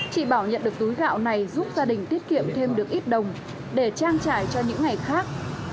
chị bảo nhận được túi gạo này giúp gia đình tiết kiệm thêm được ít đồng để trang trải cho những ngày khác